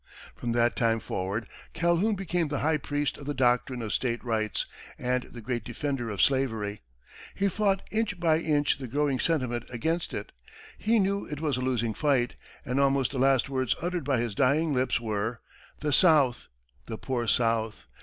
From that time forward, Calhoun became the high priest of the doctrine of state rights and the great defender of slavery. He fought inch by inch the growing sentiment against it; he knew it was a losing fight, and almost the last words uttered by his dying lips were, "The South! The poor South!